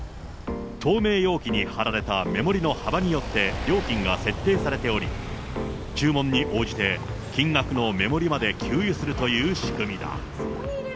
透明容器に貼られた目盛りの幅によって料金が設定されており、注文に応じて金額の目盛りまで給油するという仕組みだ。